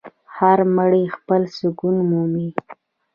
هر مړی خپل سکون مومي.